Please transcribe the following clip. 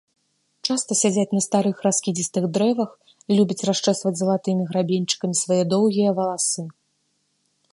Часта сядзяць на старых раскідзістых дрэвах, любяць расчэсваць залатымі грабеньчыкамі свае даўгія валасы.